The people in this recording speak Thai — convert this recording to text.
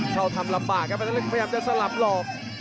เข้าทำลำบากครับพนักเล็กพยายามจะสลับหลอก